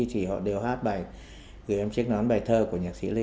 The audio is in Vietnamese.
thì họ đều hát bài gửi em chiếc nón bài thơ của nhạc sĩ lê